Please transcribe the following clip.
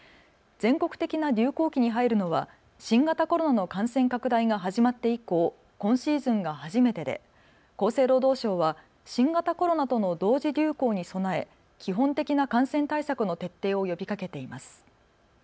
全国的な流行期に入るのは新型コロナの感染拡大が始まって以降、今シーズンが初めてで厚生労働省は新型コロナとの同時流行に備え基本的な感染対策の徹底を呼びかけています。